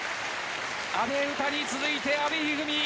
阿部詩に続いて阿部一二三。